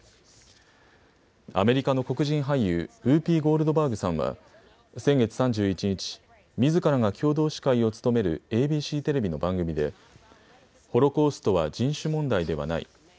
アメリカの黒人俳優、ウーピー・ゴールドバーグさんは先月３１日、みずからが共同司会を務めるＡＢＣテレビの番組でホロコーストは人種問題ではない。